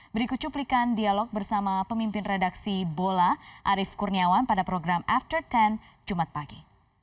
berikut cuplikan dialog bersama pemimpin redaksi bola arief kurniawan pada program after sepuluh jumat pagi